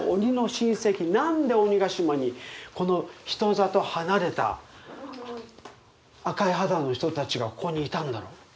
何で鬼ケ島にこの人里離れた赤い肌の人たちがここにいたんだろう。